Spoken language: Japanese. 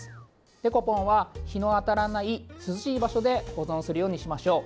デコポンは日の当たらない涼しい場所で保存するようにしましょう。